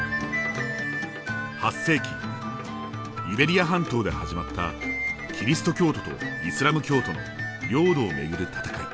８世紀イベリア半島で始まったキリスト教徒とイスラム教徒の領土をめぐる戦い。